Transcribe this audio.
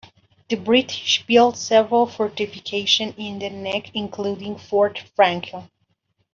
The British built several fortifications in the neck, including Fort Franklin.